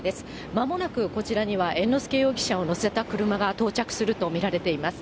まもなくこちらには猿之助容疑者を乗せた車が到着すると見られています。